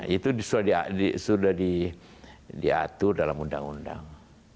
itu sudah diatur dalam undang undang